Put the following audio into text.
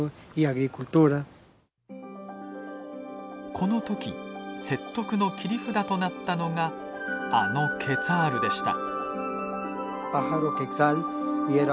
この時説得の切り札となったのがあのケツァールでした。